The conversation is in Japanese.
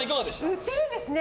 売ってるんですね